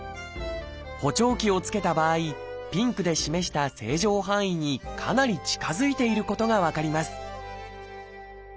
補聴器を着けた場合ピンクで示した正常範囲にかなり近づいていることが分かります